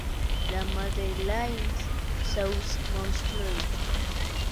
La Madelaine-sous-Montreuil